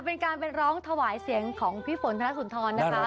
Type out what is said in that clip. เป็นการไปร้องถวายเสียงของพี่ฝนธนสุนทรนะคะ